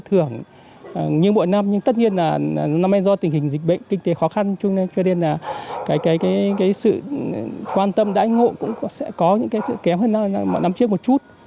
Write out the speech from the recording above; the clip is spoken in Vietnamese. thường như mỗi năm nhưng tất nhiên là năm nay do tình hình dịch bệnh kinh tế khó khăn cho nên là cái sự quan tâm đãi ngộ cũng sẽ có những cái sự kéo hơn năm trước một chút